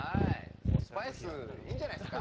スパイスいいんじゃないですか？